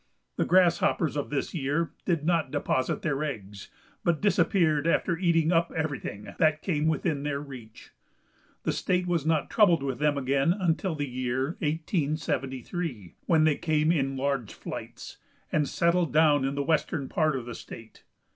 The grasshoppers of this year did not deposit their eggs, but disappeared after eating up everything that came within their reach. The state was not troubled with them again until the year 1873, when they came in large flights, and settled down in the western part of the state.